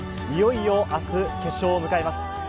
いよいよ明日決勝を迎えます。